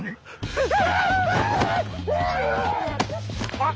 あっ。